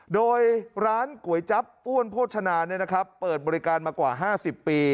โดยร้านก๋วยจั๊บอ้วนโภชนาเปิดบริการมากว่า๕๐ปี